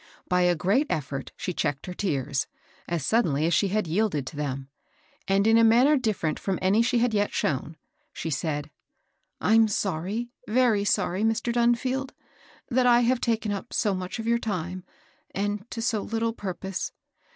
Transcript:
By a great effort she checked bee tQa2».^^bs^ 262 MABEL ROSS. suddenly as she had yielded to them ; and, in a manner different from any she had yet shown, she said, —" I'm sorry, — very sorry, Mr. Dunfield, that I have taken up so much of your time, and to so little purpose.